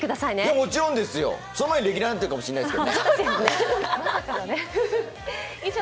もちろんですよ、その前にレギュラーになっているかもしれないですけどね。